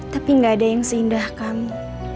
tapi gak ada yang seindah kamu